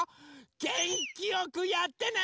げんきよくやってね！